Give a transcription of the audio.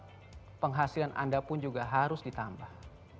juga perlu memperhatikan bahwa penghasilan anda pun juga harus ditambah